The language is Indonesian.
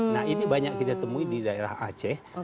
nah ini banyak kita temui di daerah aceh